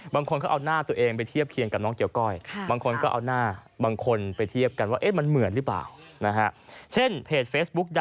บางคนก็เอาหน้าตัวเองไปเทียบเคียงกับน้องเกี่ยวก้อย